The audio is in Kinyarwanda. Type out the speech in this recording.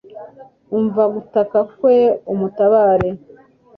umva gutaka kwe umutabare